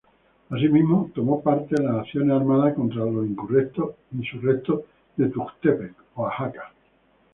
Asimismo tomó parte en las acciones armadas contra los insurrectos de Tuxtepec, Oaxaca.